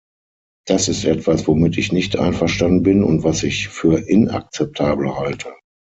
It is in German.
Das ist etwas, womit ich nicht einverstanden bin und was ich für inakzeptabel halte.